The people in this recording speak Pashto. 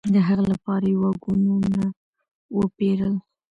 د هغه لپاره یې واګونونه وپېرل.